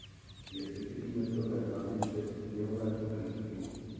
Je citlivý na silné mrazy bez sněhové pokrývky.